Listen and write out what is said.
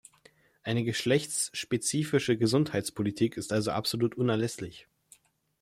Eine geschlechtsspezifische Gesundheitspolitik ist also absolut unerlässlich.